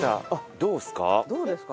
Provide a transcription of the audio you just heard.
どうですか？